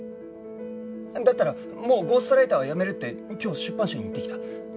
だったらもうゴーストライターはやめるって今日出版社に言ってきた。